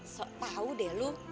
sok tau deh lo